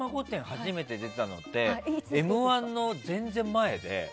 初めて出たのって「Ｍ‐１」の全然前で。